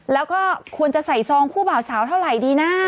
แล้วก็ควรจะใส่ซองคู่บ่าวสาวเท่าไหร่ดีนะ